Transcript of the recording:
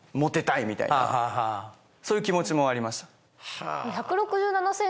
そういう気持ちもありました。